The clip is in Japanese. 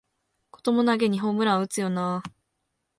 こともなげにホームラン打つよなあ